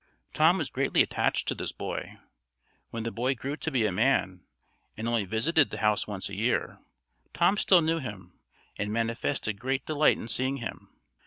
Tom was greatly attached to this boy. When the boy grew to be a man, and only visited the house once a year, Tom still knew him, and manifested great delight in seeing him.